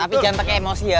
tapi jangan takut emosi ya